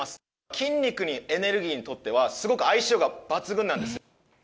筋肉のエネルギーにとってはすごく相性が抜群なんですよ。